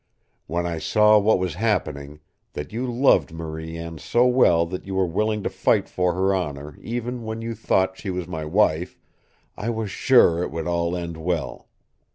When I saw what was happening that you loved Marie Anne so well that you were willing to fight for her honor even when you thought she was my wife I was sure it would all end well.